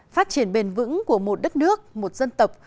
phát triển bền vững của một đất nước một dân tộc